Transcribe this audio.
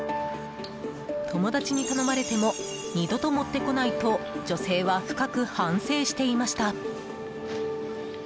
友達に頼まれても二度と持ってこないと女性は深く反省していました。